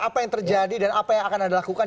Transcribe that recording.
apa yang terjadi dan apa yang akan anda lakukan